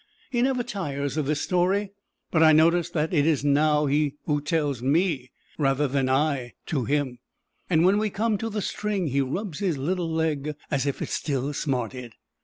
He never tires of this story, but I notice that it is now he who tells it to me rather than I to him, and when we come to the string he rubs his little leg as if it still smarted.